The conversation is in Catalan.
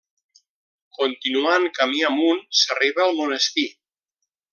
Continuant camí amunt, s'arriba al monestir.